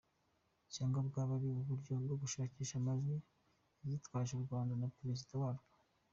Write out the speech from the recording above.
Cyangwa bwaba ari uburyo bwo gushakisha amajwi yitwaje u Rwanda na perezida warwo?